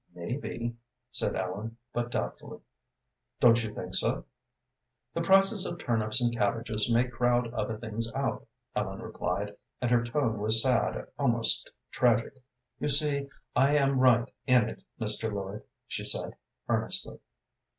"Maybe," said Ellen, but doubtfully. "Don't you think so?" "The prices of turnips and cabbages may crowd other things out," Ellen replied, and her tone was sad, almost tragic. "You see I am right in it, Mr. Lloyd," she said, earnestly.